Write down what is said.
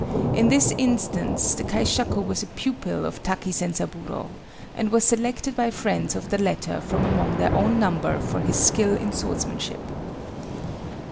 In this instance the kaishaku was a pupil of Taki Zenzaburo, and was selected by friends of the latter from among their own number for his skill in swordsmanship.